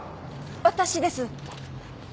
私です。